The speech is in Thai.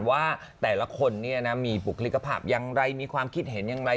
ว่าแต่ละคนเนี่ยนะมีปกฤกษภาพยังไรมีความคิดเห็นยังไร